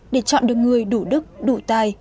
để chọn được người đủ đức đủ tài